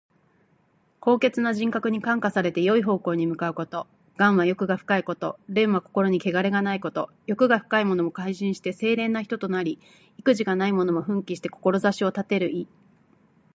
高潔な人格に感化されて、よい方向に向かうこと。「頑」は欲が深いこと。「廉」は心にけがれがないこと。欲が深いものも改心して清廉な人となり、意気地がないものも奮起して志を立てる意。